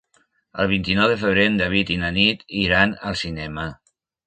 El vint-i-nou de febrer en David i na Nit iran al cinema.